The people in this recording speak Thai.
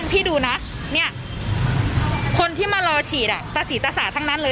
พี่ดูนะคนที่มารอฉีดตะสีตะสาทั้งนั้นเลย